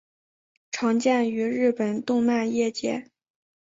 常见于日本动漫业界。